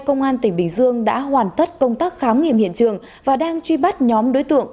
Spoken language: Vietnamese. công an tỉnh bình dương đã hoàn tất công tác khám nghiệm hiện trường và đang truy bắt nhóm đối tượng